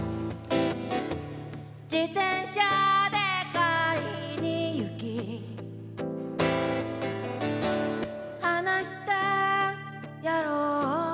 「自転車で買いに行きはなしてやろう」